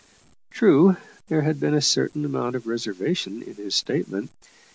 True, there had been a certain amount of reservation in his statement.